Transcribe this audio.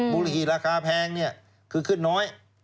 บุหรี่ราคาแพงคือขึ้นน้อย